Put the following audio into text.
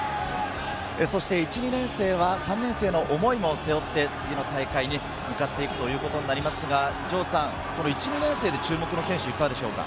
そして１・２年生は３年生の思いも背負って次の大会に向かっていくということになりますが、１・２年生で注目の選手はいかがでしょうか？